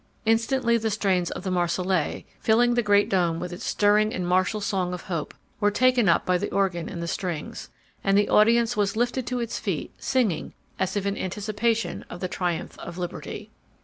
Instantly the strains of the Marseillaise, filling the great dome with its stirring and martial song of hope, were taken up by the organ and the strings, and the audience was lifted to its feet singing as if in anticipation of the triumph of liberty.